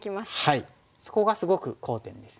はいそこがすごく好点ですね。